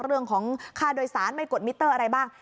เรื่องของค่าโดยสารไม่กดมิเตอร์อะไรบ้าง